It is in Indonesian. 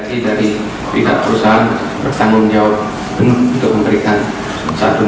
pertama perusahaan bersanggung jauh untuk memberikan santunan